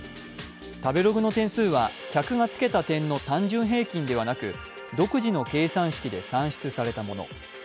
食べログの点数は客がつけた点の単純平均ではなく独自の計算式で算出されたもの。